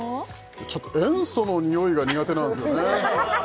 ちょっと塩素のにおいが苦手なんすよね